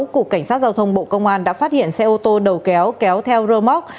cục cảnh sát giao thông bộ công an đã phát hiện xe ô tô đầu kéo kéo theo rơ móc